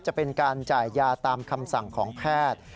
จะเป็นการจ่ายยาตามคำสั่งของแพทย์